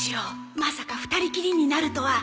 まさか２人きりになるとは